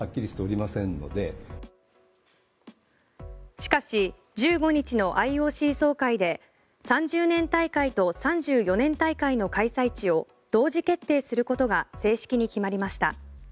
しかし、１５日のＩＯＣ総会で３０年大会と３４年大会の開催地を同時決定することが正式に決まりました。